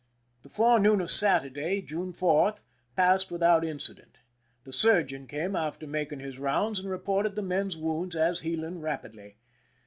The forenoon of Saturday (June 4) passed with out incident. The surgeon came after making his rounds, and reported the men's wounds as healing rapidly.